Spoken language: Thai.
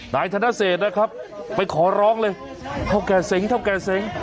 นายท่านเศษนะครับไปขอร้องเลยเขาแก่เสียงเขาแก่เสียง